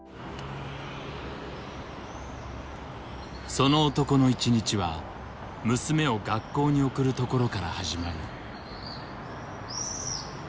その男の一日は娘を学校に送るところから始まる。